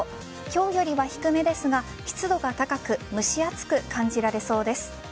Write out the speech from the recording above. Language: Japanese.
今日よりは低めですが湿度が高く蒸し暑く感じられそうです。